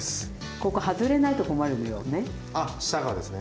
ここ外れないと困るのよね。